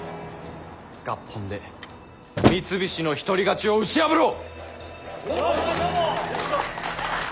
合本で三菱の独り勝ちを打ち破ろう！